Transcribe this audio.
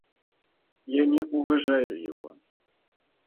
Я не уважаю его.